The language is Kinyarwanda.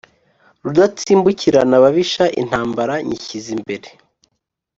Rudatsimbukirababisha intambara nyishyize imbere